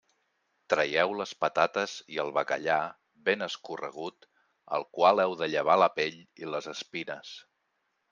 Traieu les patates i el bacallà, ben escorregut, al qual heu de llevar la pell i les espines.